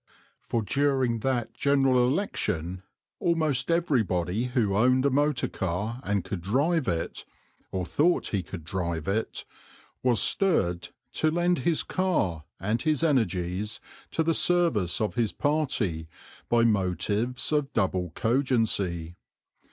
For during that General Election almost everybody who owned a motor car and could drive it, or thought he could drive it, was stirred to lend his car and his energies to the service of his party by motives of double cogency.